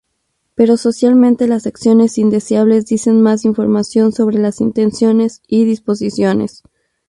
Pero socialmente las acciones indeseables dicen más información sobre las intenciones y disposiciones.